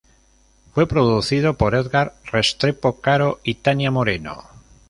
Fue producido por Edgar Restrepo Caro y Tania Moreno.